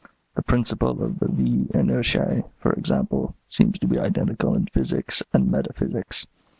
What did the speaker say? The principle of the vis inertiæ, for example, seems to be identical in physics and metaphysics.